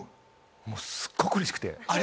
もうすっごくうれしくて。